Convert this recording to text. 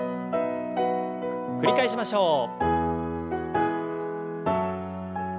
繰り返しましょう。